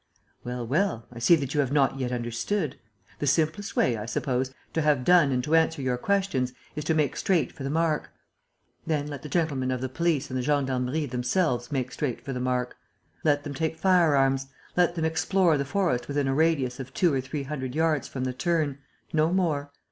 "Well, well, I see that you have not yet understood. The simplest way, I suppose, to have done and to answer your objections is to make straight for the mark. Then let the gentlemen of the police and the gendarmerie themselves make straight for the mark. Let them take firearms. Let them explore the forest within a radius of two or three hundred yards from the turn, no more.